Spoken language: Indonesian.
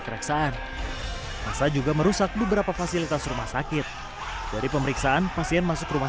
kereksaan masa juga merusak beberapa fasilitas rumah sakit dari pemeriksaan pasien masuk rumah